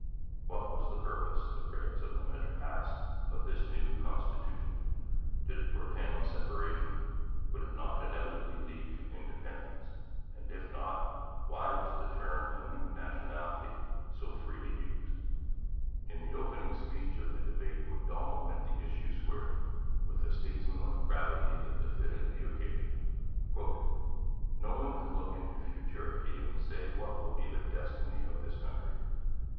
What was the purpose, the critics of the measure asked, of this new constitution? Did it portend separation? Would it not inevitably lead to independence? and if not, why was the term 'a new nationality' so freely used? In the opening speech of the debate Macdonald met the issue squarely with the statesmanlike gravity that befitted the occasion: No one can look into futurity and say what will be the destiny of this country.